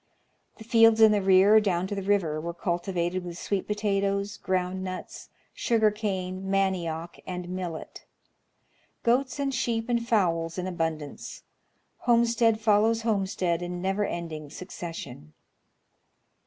The fields in the rear down to the river were cultivated with sweet potatoes, ground nuts, sugar cane, manioc, and millet. Goats and sheep and fowls in abundance, homestead follows homestead in never ending succession.